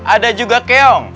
ada juga keong